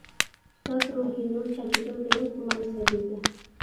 ئۇستاز روھى نۇر چاچىدۇ، بىلىم خۇمار سەبىيگە.